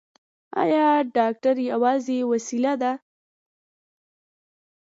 ایا ډاکټر یوازې وسیله ده؟